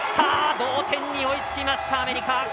同点に追いつきました、アメリカ。